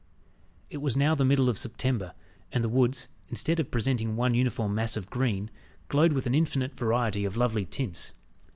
It was now the middle of September, and the woods, instead of presenting one uniform mass of green, glowed with an infinite variety of lovely tints.